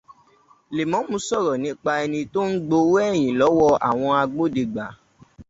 Lèmọ́mù sọ̀rọ̀ nípa ẹni tó ń gbowó ẹ̀yìn lọ́wọ́ àwọn agbódegbà